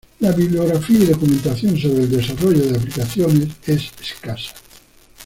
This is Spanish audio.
La bibliografía y documentación sobre el desarrollo de aplicaciones es escasa.